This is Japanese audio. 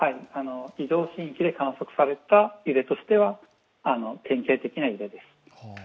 異常震域で観測された揺れとしては典型的な揺れです。